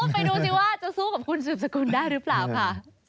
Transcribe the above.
ไปดูสิว่าจะสู้กับคุณสืบสกุลได้หรือเปล่าค่ะ